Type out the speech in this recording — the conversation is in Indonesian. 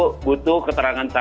maksud saya butuh keterangan saksa